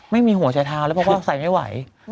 ไม่มีหัวชายทาวน์แล้วพอก็ใส่ไม่ไหว